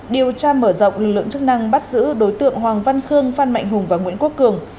điều tra mở rộng lực lượng chức năng bắt giữ đối tượng hoàng văn khương phan mạnh hùng và nguyễn quốc cường